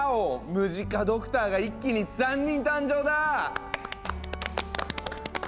ムジカドクターが一気に３人誕生だ！